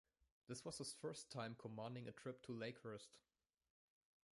This was his first time commanding a trip to Lakehurst.